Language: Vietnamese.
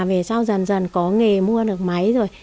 về sau dần dần có nghề mua được máy rồi